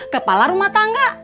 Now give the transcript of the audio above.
kepala rumah tangga